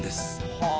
はあ。